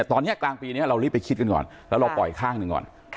แต่ตอนนี้กลางปีนี้เรารีบไปคิดกันก่อนแล้วเราปล่อยข้างหนึ่งก่อน